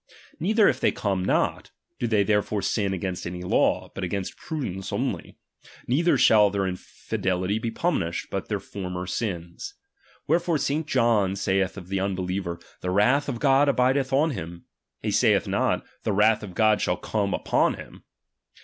Neither if they come not, do they therefore sin against any law, but against prudence only ; neither shall their infi delity be punished, but their former sins. Where fore St. John saith of the unbeliever, The wrath of God ahideth on him ; he saith not, The wrath of God shall come upon him.